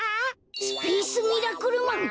スペースミラクルマン！